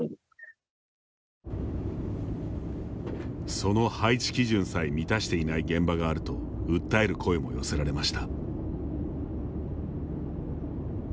その配置基準さえ満たしていない現場があると訴える声も寄せられました。